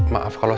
sampai jumpa lagi